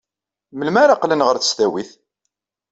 Melmi ara qqlen ɣer tesdawit?